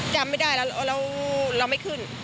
จำไม่ได้แล้วเราไม่ขึ้น